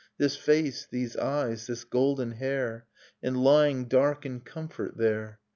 This face, these eyes, this golden hair; And lying dark in comfort there.